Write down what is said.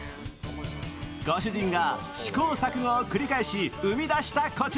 ご主人が試行錯誤を繰り返し生み出した一品。